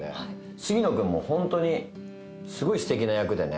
杉野君もホントにすごいすてきな役でね。